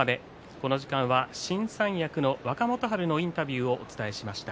この時間は新三役の若元春のインタビューをお伝えしました。